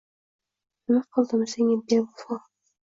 Nima qildim senga, bevafo?